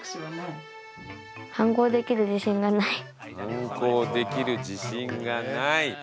反抗できる自信がない！